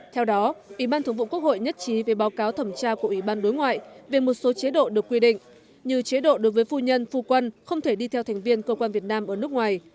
theo đó ủy ban thường vụ quốc hội nhất trí về báo cáo thẩm tra của ủy ban đối ngoại về một số chế độ được quy định như chế độ đối với phu nhân phu quân không thể đi theo thành viên cơ quan việt nam ở nước ngoài